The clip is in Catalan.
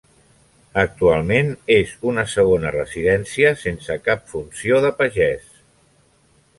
Actualment és una segona residència sense cap funció de pagès.